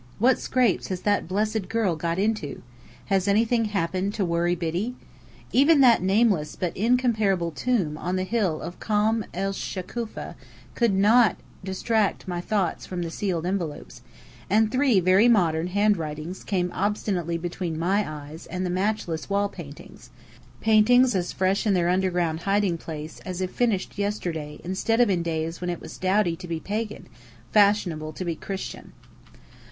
"What scrapes has that blessed girl got into?" "Has anything happened to worry Biddy?" Even that nameless but incomparable tomb on the hill of Kom esh Shukafa could not distract my thoughts from the sealed envelopes; and three very modern handwritings came obstinately between my eyes and the matchless wall paintings paintings as fresh in their underground hiding place as if finished yesterday instead of in days when it was dowdy to be pagan, fashionable to be Christian.